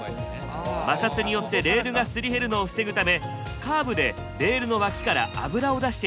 摩擦によってレールがすり減るのを防ぐためカーブでレールの脇から油を出しているんです。